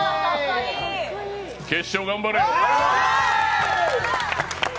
決勝頑張れよ。